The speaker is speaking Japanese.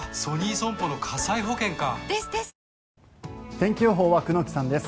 天気予報は久能木さんです。